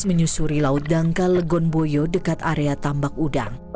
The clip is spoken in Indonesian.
menyusuri laut dangkal legon boyo dekat area tambak udang